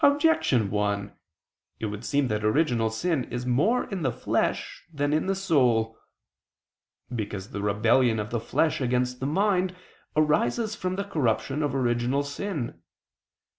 Objection 1: It would seem that original sin is more in the flesh than in the soul. Because the rebellion of the flesh against the mind arises from the corruption of original sin.